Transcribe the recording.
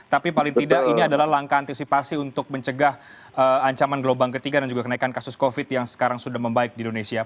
tapi paling tidak ini adalah langkah antisipasi untuk mencegah ancaman gelombang ketiga dan juga kenaikan kasus covid yang sekarang sudah membaik di indonesia